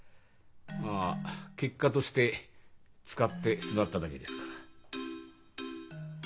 まあ結果として使ってしまっただけですから。